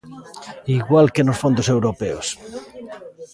Igual que nos fondos europeos.